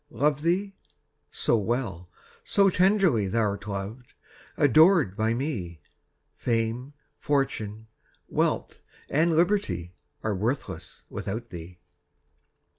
Love thee? so well, so tenderly, Thou'rt loved, adored by me, Fame, fortune, wealth, and liberty, Are worthless without thee.